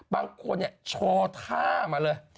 บางคนเนี่ยโชว์ท่ามาเลย